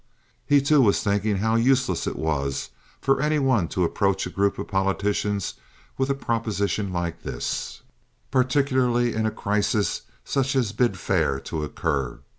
He, too, was thinking how useless it was for any one to approach a group of politicians with a proposition like this, particularly in a crisis such as bid fair to occur.